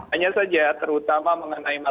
hanya saja terutama mengenai masalah